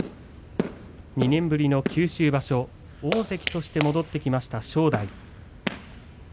２年ぶりの九州場所大関として戻ってきました、正代。